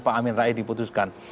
pak amin rais diputuskan